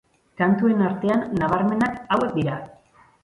Kantuen artean, nabarmenak hauek dira.